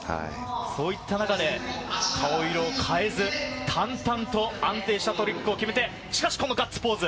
そういった中で顔色を変えず、淡々と安定したトリックを決めてしかし、このガッツポーズ。